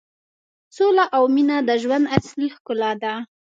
سوله او مینه د ژوند اصلي ښکلا ده.